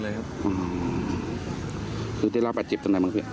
อืมคือที่ล่าไปเจ็บตั้งแต่เมื่อกี้